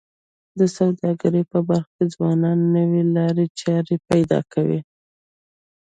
د سوداګرۍ په برخه کي ځوانان نوې لارې چارې پیدا کوي.